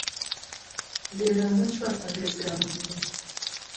لێرانە چوار پاریزگامان هەیە